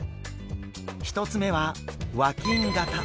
１つ目は和金型。